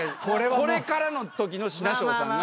これからのときの品庄さんが。